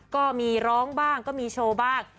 ก็มีร้องบ้างก็มีโชว์บ้าง